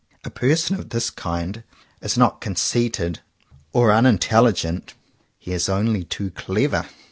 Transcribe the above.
A person of this kind is not con ceited or unintelligent. He is only too clever.